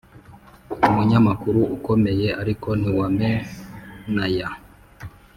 Umunyamakuru ukomeye ariko ntiwamenaya